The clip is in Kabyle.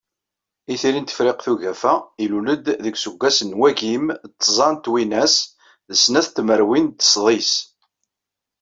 Itri n Tefriqt n Ugafa, ilul-d deg useggas n wagim d tẓa twinas d snat tmerwin d seddis.